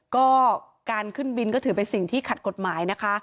ก็การขึ้นบินก็ถือเป็นสิ่งที่ขัดกฎหมายนะคะ